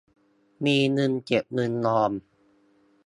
มีเงินเก็บเงินออม